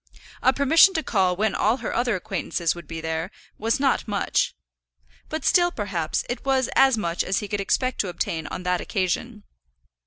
A permission to call when all her other acquaintances would be there, was not much; but still, perhaps, it was as much as he could expect to obtain on that occasion.